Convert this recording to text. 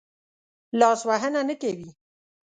لاس وهنه نه کوي.